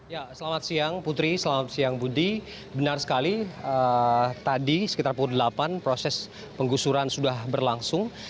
ya selamat siang putri selamat siang budi benar sekali tadi sekitar pukul delapan proses penggusuran sudah berlangsung